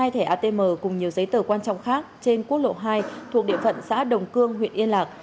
hai thẻ atm cùng nhiều giấy tờ quan trọng khác trên quốc lộ hai thuộc địa phận xã đồng cương huyện yên lạc